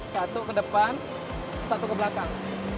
satu ke depan satu ke belakang